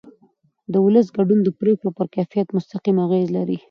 د ولس ګډون د پرېکړو پر کیفیت مستقیم اغېز لري